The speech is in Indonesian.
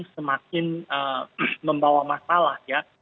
semakin membawa masalah ya